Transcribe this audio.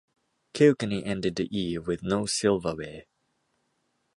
Kilkenny ended the year with no silverware.